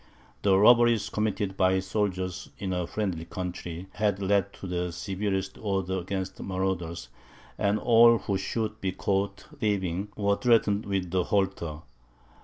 The robberies committed by the soldiers in a friendly country, had led to the severest orders against marauders; and all who should be caught thieving, were threatened with the halter.